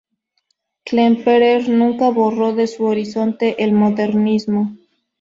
Klemperer nunca borró de su horizonte el modernismo.